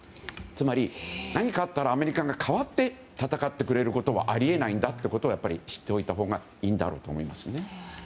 つまり、何かあったらアメリカが代わって戦ってくることはあり得ないんだということを知っておいたほうがいいだろうと思いますね。